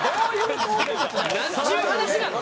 なんちゅう話なの？